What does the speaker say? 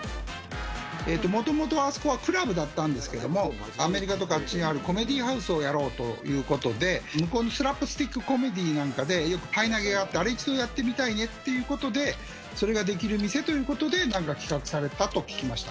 もともとあそこはクラブだったんですけども、アメリカとかあっちにあるコメディーハウスをやろうということで、向こうのスラップスティックコメディなんかでパイ投げがあって、あれができる店をやりたいねということで、それができる店ということで、なんか企画されたと聞きました。